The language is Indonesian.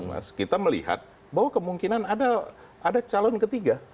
mas kita melihat bahwa kemungkinan ada calon ketiga